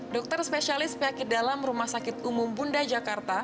dokter spesialis penyakit dalam rumah sakit umum bunda jakarta